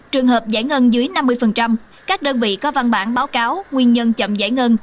trường hợp giải ngân dưới năm mươi các đơn vị có văn bản báo cáo nguyên nhân chậm giải ngân